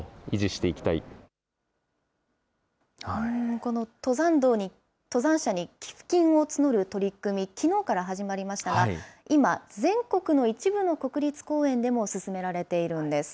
この登山者に寄付金を募る取り組み、きのうから始まりましたが、今、全国の一部の国立公園でも進められているんです。